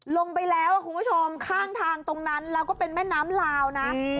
ลงไปแล้วคุณผู้ชมข้างทางตรงนั้นแล้วก็เป็นแม่น้ำลาวนะ